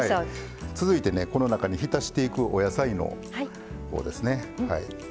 続いてねこの中にひたしていくお野菜のほうですね。